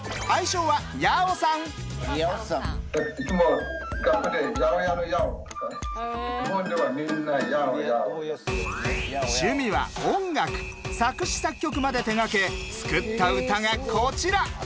作詞作曲まで手がけ作った歌がこちら。